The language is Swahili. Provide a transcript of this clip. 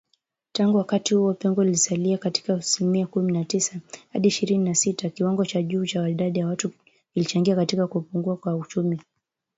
Tangu wakati huo, pengo limesalia kati ya asilimia kumi na tisa hadi ishirini na sita, kiwango cha juu cha idadi ya watu kilichangia katika kupungua kwa ukuaji wa uchumi.